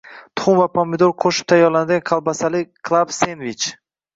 Tuxum va pomidor qo‘shib tayyorlanadigan kolbasali klab-sendvich